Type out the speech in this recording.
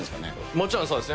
もちろんそうですね。